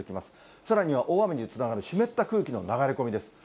さらには大雨につながる湿った空気の流れ込みです。